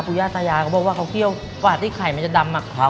คุณย่าตายาเขาบอกว่าเขาเคี่ยวกว่าที่ไข่มันจะดำ